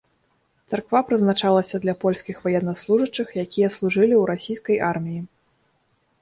Царква прызначалася для польскіх ваеннаслужачых, якія служылі ў расійскай арміі.